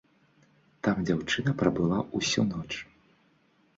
Там дзяўчына прабыла ўсю ноч.